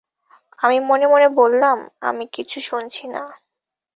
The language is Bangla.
আমি মনেমনে বললাম, আমি কিছু শুনছি না।